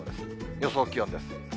予想気温です。